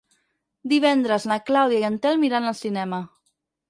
Divendres na Clàudia i en Telm iran al cinema.